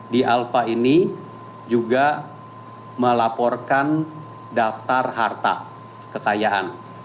di alfa ini juga melaporkan daftar harta kekayaan